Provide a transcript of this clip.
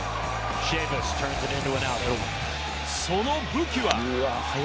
その武器は。